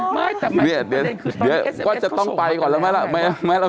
ไม่เดี๋ยวก็จะต้องไปก่อนแล้วไหมล่ะพี่หนุ่ม